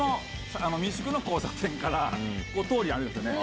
三宿の交差点からここ通りあるんすよね。